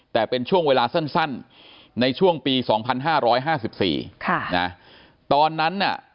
แต่เป็นช่วงเวลาสั้นในช่วงปี๒๕๕๔ค่ะนะตอนนั้นน่ะ